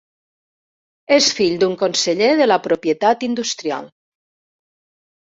És fill d'un conseller de la propietat industrial.